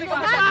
itu kepes lagi